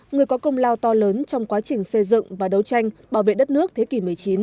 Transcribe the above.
người có công lao to lớn trong quá trình xây dựng và đấu tranh bảo vệ đất nước thế kỷ một mươi chín